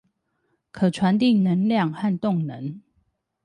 可傳遞能量和動量